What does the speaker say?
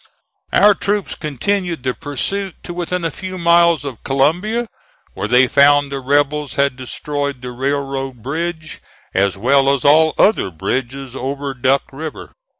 Our troops continued the pursuit to within a few miles of Columbia, where they found the rebels had destroyed the railroad bridge as well as all other bridges over Duck River.